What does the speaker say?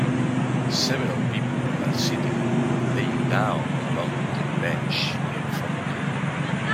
Several people are sitting or laying down on a long wooden bench near a fountain.